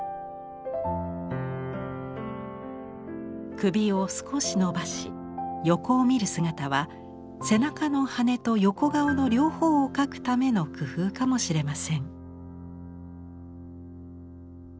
首を少し伸ばし横を見る姿は背中の羽と横顔の両方を描くための工夫かもしれません。